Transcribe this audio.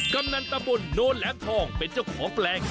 กำนันตะบนโน้นแหลมทองเป็นเจ้าของแปลง